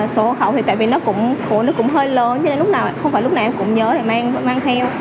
sổ hồ khẩu thì tại vì nó cũng hơi lớn cho nên không phải lúc nào em cũng nhớ để mang theo